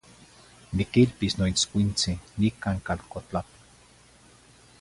Niquilpis noitzcuintzi nican calcotlapa.